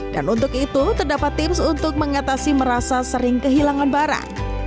dan untuk itu terdapat tips untuk mengatasi merasa sering kehilangan barang